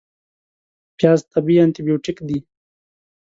پیاز طبیعي انتي بیوټیک دی